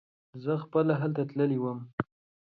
زه خپله هلته تللی وم.